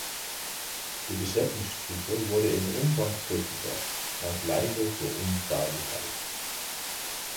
De bezettingstroepen worden in omvang teruggebracht, maar blijven voor onbepaalde tijd.